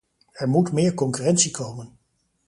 Er moet meer concurrentie komen.